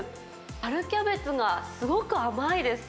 春キャベツがすごく甘いです。